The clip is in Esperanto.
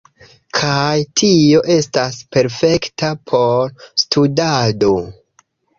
Kaj tio estas perfekta por studado